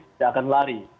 tidak akan lari